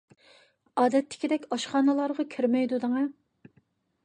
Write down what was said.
ئادەتتىكىدەك ئاشخانىلارغا كىرمەيدۇ دەڭە.